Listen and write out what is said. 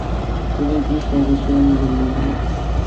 Tous les bus ont reçu la nouvelle livrée.